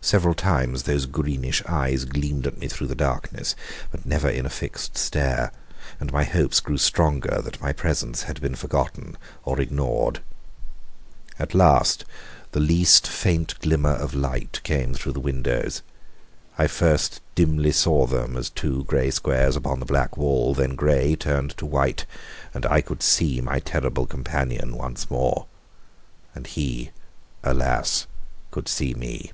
Several times those greenish eyes gleamed at me through the darkness, but never in a fixed stare, and my hopes grew stronger that my presence had been forgotten or ignored. At last the least faint glimmer of light came through the windows I first dimly saw them as two grey squares upon the black wall, then grey turned to white, and I could see my terrible companion once more. And he, alas, could see me!